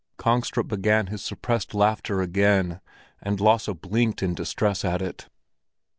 Kongstrup began his suppressed laughter again, and Lasse blinked in distress at it.